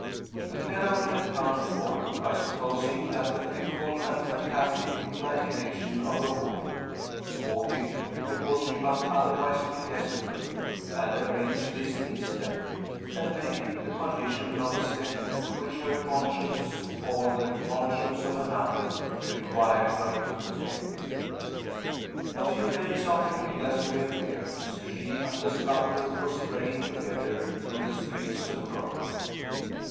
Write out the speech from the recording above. We can only account for it, by supposing that the fitful and fantastic imagination of a woman sportive, because she must otherwise be desperate had arranged this incident, and made it the condition of a step which her conscience, or the conscience of another, required her to take. A few days after Hilda's reappearance, she and the sculptor were straying together through the streets of Rome.